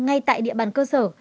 ngay tại địa bàn cơ sở